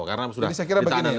karena sudah ditahanan